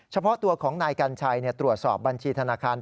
เฉพาะตัวของนายกัญชัยตรวจสอบบัญชีธนาคาร